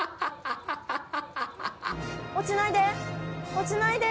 落ちないで！